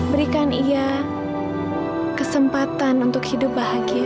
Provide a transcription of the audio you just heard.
berikan ia kesempatan untuk hidup bahagia